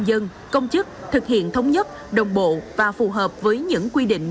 đã giúp công dân công chức thực hiện thống nhất đồng bộ và phù hợp với những quy định